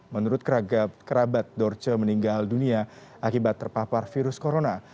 menurut kerabat dorce meninggal dunia akibat terpapar virus corona